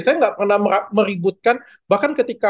saya nggak pernah meributkan bahkan ketika